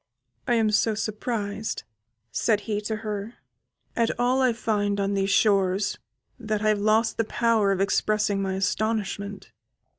"I am so surprised," said he to her, "at all I find on these shores, that I have lost the power of expressing my astonishment.